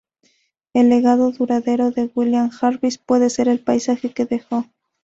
El legado duradero de William Jarvis puede ser el paisaje que dejó.